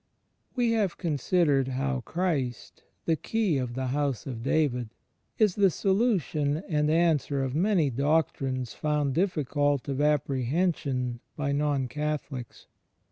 We have considered how Christ, the Key of the House of David, is the solution and answer of many doctrines foujid difficult of apprehension by Non Catholics.